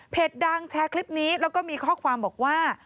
ดังแชร์คลิปนี้แล้วก็มีข้อความบอกว่า